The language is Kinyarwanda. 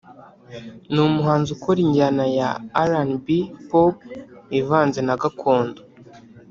Ni umuhanzi ukora injyana ya RnB/Pop ivanze na Gakondo